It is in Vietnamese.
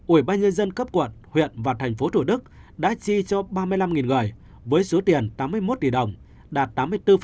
ủy ban nhân dân cấp quận huyện và tp hcm đã chi cho ba mươi năm người với số tiền tám mươi một tỷ đồng đạt tám mươi bốn